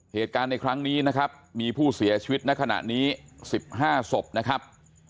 เหตุการณ์ในครั้งนี้นะครับมีผู้เสียชีวิตในขณะนี้๑๕ศพนะครับ